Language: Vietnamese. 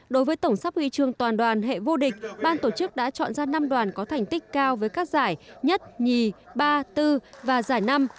đối với tổng sắp huy chương toàn đoàn hệ vô địch ban tổ chức đã chọn ra năm đoàn có thành tích cao với các giải nhất nhì ba bốn và giải năm